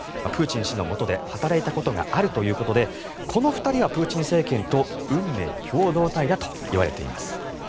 プーチンの下で働いたことがあるということでこの２人はプーチン政権と運命共同体だといわれています。